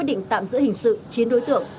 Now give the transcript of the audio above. và tạm giữ hình sự chín đối tượng